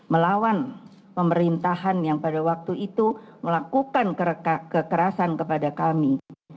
melawan pemerintahan yang pada waktu itu melakukan kekerasan kepada kami